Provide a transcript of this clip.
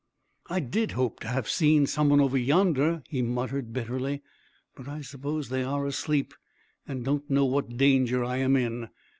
"I did hope to have seen some one over yonder," he muttered bitterly, "but I suppose they are asleep and don't know what danger I am in.